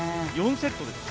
４セットです。